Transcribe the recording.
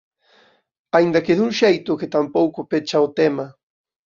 Aínda que dun xeito que tampouco pecha o tema.